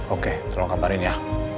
oke tolong kabarin ya